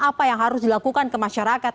apa yang harus dilakukan ke masyarakat